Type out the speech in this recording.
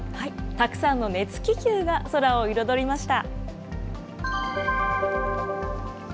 たくさんの熱気球が空を彩りました。